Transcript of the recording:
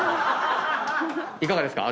いかがですか？